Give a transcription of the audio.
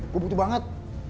gua butuh banget